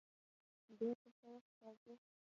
بېرته څه وخت راځې؟